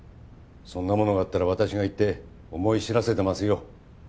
そんなものがあったら私が行って思い知らせてますよ。